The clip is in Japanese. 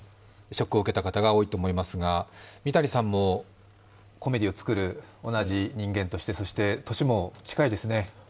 ショックを受けた方が多いと思いますが、三谷さんもコメディーを作る同じ人間として、そして年も近いですね。